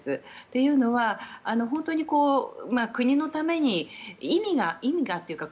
というのは、本当に国のために意味がというか。